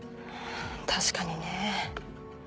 確かにね。